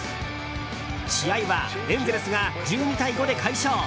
試合はエンゼルスが１２対５で快勝。